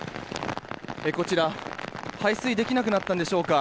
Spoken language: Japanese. こちら排水できなくなったのでしょうか。